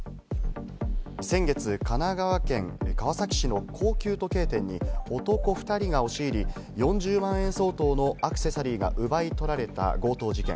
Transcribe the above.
先月、神奈川県川崎市の高級時計店に男２人が押し入り、４０万円相当のアクセサリーが奪い取られた強盗事件。